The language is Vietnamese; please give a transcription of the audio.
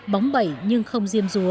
bóng bẫy nhưng không diêm rúa